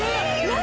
何？